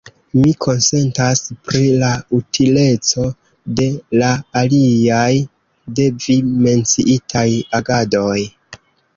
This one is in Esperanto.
Mi konsentas pri la utileco de la aliaj de vi menciitaj agadoj.